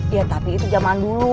ya tapi itu zaman dulu